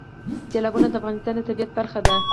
سیلابونه د افغانستان د طبیعت برخه ده.